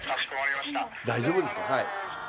大丈夫ですか？